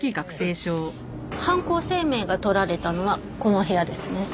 犯行声明が撮られたのはこの部屋ですね。